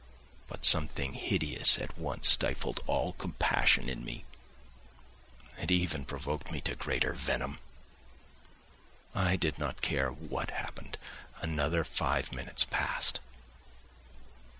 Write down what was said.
But something hideous at once stifled all compassion in me; it even provoked me to greater venom. I did not care what happened. Another five minutes passed.